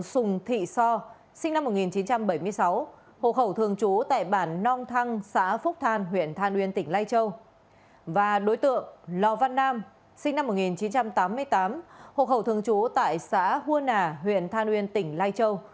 sinh năm một nghìn chín trăm tám mươi tám hộ khẩu thường chú tại xã huôn nà huyện than uyên tỉnh lai châu